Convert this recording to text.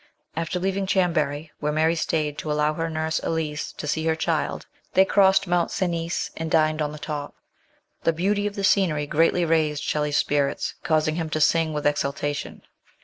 After leaving Chambery, where Mary stayed to allow her nurse Elise to see her child, they crossed Mont Cenis and dined on the top. The beauty of the scenery greatly raised Shelley's spirits, causing him to sing with exultation.